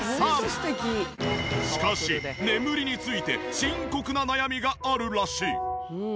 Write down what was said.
しかし眠りについて深刻な悩みがあるらしい。